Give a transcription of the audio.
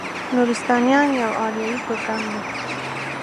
نورستانیان یو اریایي توکم دی.